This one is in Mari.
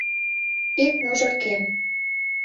Ик мужыр кем.